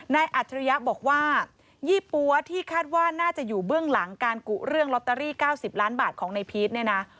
อัจฉริยะบอกว่ายี่ปั๊วที่คาดว่าน่าจะอยู่เบื้องหลังการกุเรื่องลอตเตอรี่๙๐ล้านบาทของนายพีชเนี่ยนะ